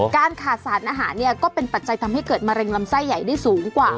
การขาดสารอาหารเนี่ยก็เป็นปัจจัยทำให้เกิดมะเร็งลำไส้ใหญ่ได้สูงกว่า